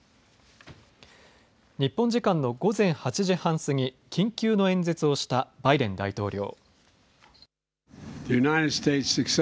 日本時間の午前８時半過ぎ、緊急の演説をしたバイデン大統領。